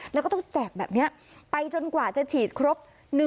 แล้วก็ต้องแจกแบบนี้ไปจนกว่าจะฉีดครบ